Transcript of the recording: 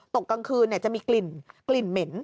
ตกกลางคืนจะมีกลิ่นเกลิ่นเหม็น